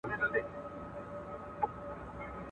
دا خيبر دی دا شمشاد دی !.